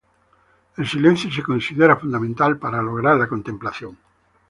El silencio se considera fundamental para lograr la contemplación.